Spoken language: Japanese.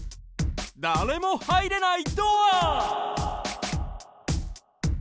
だれもはいれないドア！